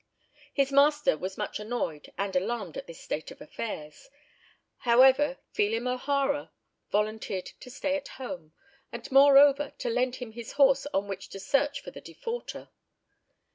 His master was much annoyed and alarmed at this state of affairs. However, Phelim O'Hara volunteered to stay at home, and moreover to lend him his horse on which to search for the defaulter.